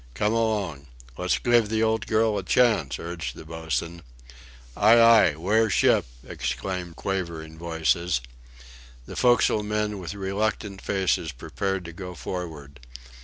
"Come along! Let's give the old girl a chance," urged the boatswain. "Aye! aye! Wear ship!" exclaimed quavering voices. The forecastle men, with reluctant faces, prepared to go forward.